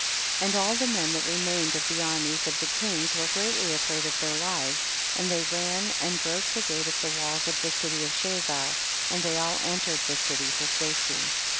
9. And all the men that remained of the armies of the kings were greatly afraid of their lives, and they ran and broke the gate of the walls of the city of Chazar, and they all entered the city for safety.